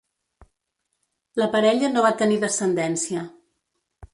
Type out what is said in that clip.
La parella no va tenir descendència.